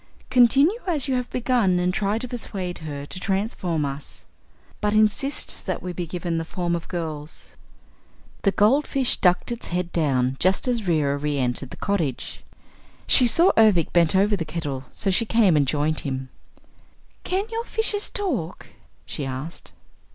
Continue as you have begun and try to persuade her to transform us. But insist that we be given the forms of girls." The goldfish ducked its head down just as Reera re entered the cottage. She saw Ervic bent over the kettle, so she came and joined him. "Can your fishes talk?" she asked.